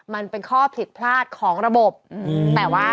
มันเป็นข้อผิดพลาดของระบบแต่ว่า